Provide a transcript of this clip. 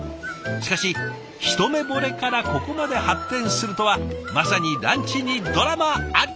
しかし一目ボレからここまで発展するとはまさにランチにドラマあり！